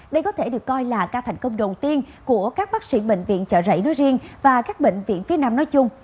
đây có thể được coi là ca thành công đầu tiên của các bác sĩ bệnh viện chợ rẫy nói riêng và các bệnh viện phía nam nói chung